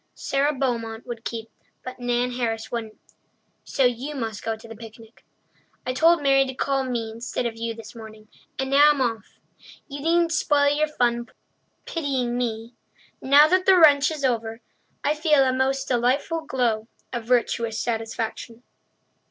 Sara Beaumont would keep, but Nan Harris wouldn't, so you must go to the picnic. I told Mary to call me instead of you this morning, and now I'm off. You needn't spoil your fun pitying me. Now that the wrench is over, I feel a most delightful glow of virtuous satisfaction!